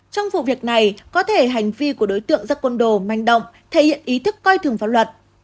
trong vụ việc này có thể hành vi của đối tượng ra côn đồ manh động thể hiện ý thức coi thường pháp luật